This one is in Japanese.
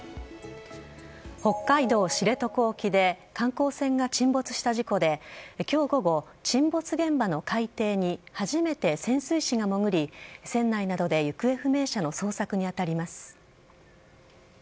北海道知床沖で観光船が沈没した事故で今日午後沈没現場の海底に初めて潜水士が潜り船内などで行方不明者の捜索に当たります。